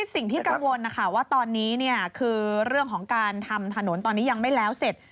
สิ่งที่กังวลนะคะว่าตอนนี้คือเรื่องของการทำถนนตอนนี้ยังไม่แล้วเสร็จ